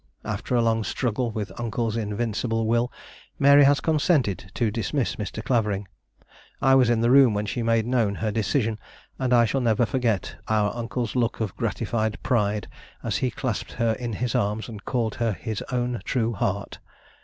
After a long struggle with Uncle's invincible will, Mary has consented to dismiss Mr. Clavering. I was in the room when she made known her decision, and I shall never forget our Uncle's look of gratified pride as he clasped her in his arms and called her his own True Heart.